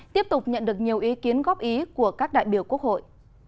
tiếp tục nhận được nhiều ý kiến góp ý của các đại biểu quốc hội